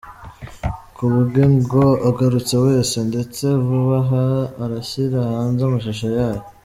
Ku bwe ngo agarutse wese ndetse vuba aha arashyira hanze amashusho yayo.